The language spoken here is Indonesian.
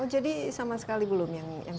jadi sama sekali belum